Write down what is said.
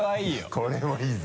これもいいぞ。